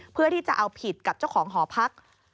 เพื่อที่จะเอาผิดกับเจ้าของหอพัก